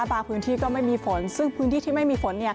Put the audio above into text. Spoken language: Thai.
บางพื้นที่ก็ไม่มีฝนซึ่งพื้นที่ที่ไม่มีฝน